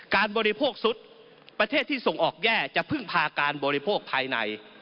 บริโภคสุดประเทศที่ส่งออกแย่จะพึ่งพาการบริโภคภายใน